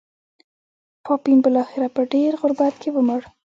پاپین بلاخره په ډېر غربت کې ومړ.